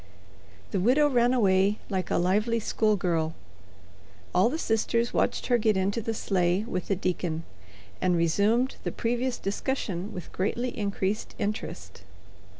The widow ran away like a lively schoolgirl. All the sisters watched her get into the sleigh with the deacon, and resumed the previous discussion with greatly increased interest.